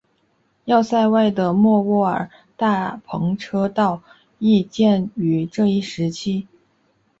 要塞外的莫卧尔大篷车道亦建于这一时期。